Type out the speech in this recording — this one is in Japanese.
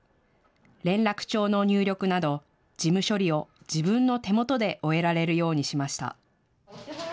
連絡帳の入力など事務処理を自分の手元で終えられるようにしました。